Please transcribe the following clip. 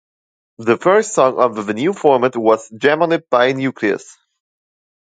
The first song under the new format was "Jam On It" by Newcleus.